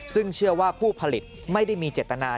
ซึ่งเชื่อว่าผู้ผลิตไม่ได้มีเจตนา